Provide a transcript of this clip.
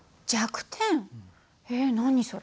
えっ何それ？